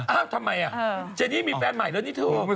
อ้าวทำไมอ่ะเจนี่มีแฟนใหม่แล้วนี่เธออ่ะ